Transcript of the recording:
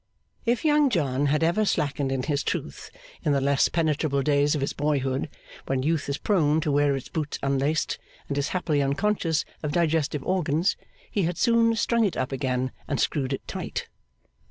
If Young John had ever slackened in his truth in the less penetrable days of his boyhood, when youth is prone to wear its boots unlaced and is happily unconscious of digestive organs, he had soon strung it up again and screwed it tight.